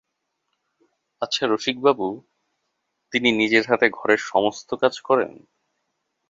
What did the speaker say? আচ্ছা রসিকবাবু, তিনি নিজের হাতে ঘরের সমস্ত কাজ করেন?